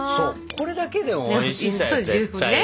これだけでもおいしいんだよ絶対に！